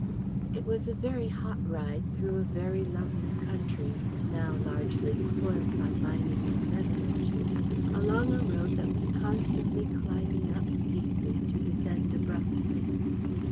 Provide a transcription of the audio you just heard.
It was a very hot ride through a very lovely country, now largely spoilt by mining and metallurgy, along a road that was constantly climbing up steeply to descend abruptly.